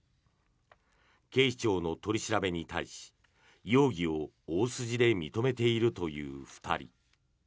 警視庁の取り調べに対し容疑を大筋で認めているという２人。